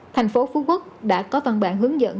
thành phố phú quốc đã có văn bản hướng dẫn